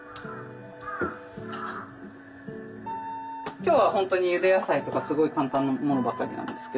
今日はほんとにゆで野菜とかすごい簡単なものばかりなんですけど。